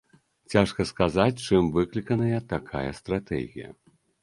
Цяжка сказаць, чым выкліканая такая стратэгія.